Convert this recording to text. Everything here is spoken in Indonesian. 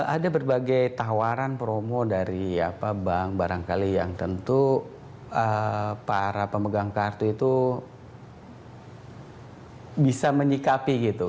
ada berbagai tawaran promo dari bank barangkali yang tentu para pemegang kartu itu bisa menyikapi gitu